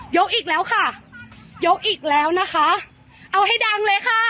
อีกแล้วค่ะยกอีกแล้วนะคะเอาให้ดังเลยค่ะ